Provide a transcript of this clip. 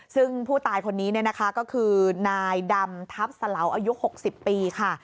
ซึ่งผู้ตายคนนี้ก็คือนายดำทัพสะเหลาอายุ๖๐ปีค่ะ